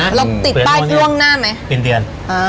เราติดป้ายกว้างหน้าไหมอกี้เป็นเดือน